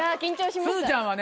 すずちゃんはね